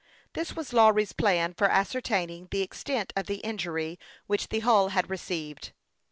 This was Law ry's plan for ascertaining the extent of the injury which the hull had received.